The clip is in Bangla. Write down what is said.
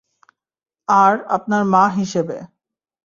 আর আপনার মা হিসেবে।